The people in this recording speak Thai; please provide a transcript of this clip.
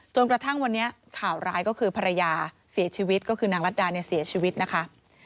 จนกระทั่งวันนี้ข่าวร้ายก็คือภรรยาเสียชีวิตก็คือนางรัฐดาเนี่ยเสียชีวิตนะคะ